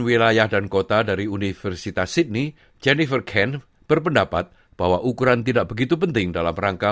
penduduk setempat tidak berpengalaman